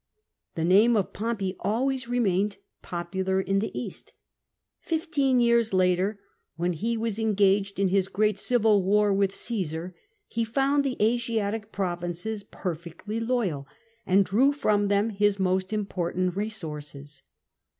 The name of Pompey always remained popular in the East ; fifteen years later, when he was engaged in his great civil war with Cmsar, he found the Asiatic provinces perfectly loyal, and drew from them his most important resources.